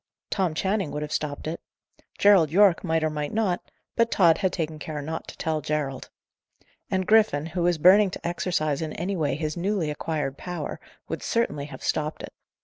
Tom Channing would have stopped it. Gerald Yorke might or might not; but Tod had taken care not to tell Gerald. And Griffin, who was burning to exercise in any way his newly acquired power, would certainly have stopped it.